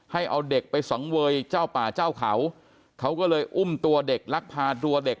ให้เอาเด็กไปสังเวยเจ้าป่าเจ้าเขาเขาก็เลยอุ้มตัวเด็กลักพาตัวเด็ก